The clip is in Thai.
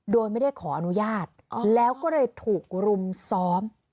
โดยไม่ได้ขออนุญาตแล้วก็เลยถูกรุมซ้อม